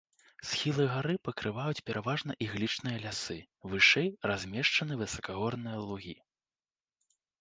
Схілы гары пакрываюць пераважна іглічныя лясы, вышэй размешчаны высакагорныя лугі.